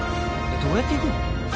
どうやって行くの？